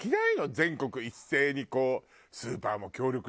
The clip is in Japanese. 全国一斉にこうスーパーも協力してね。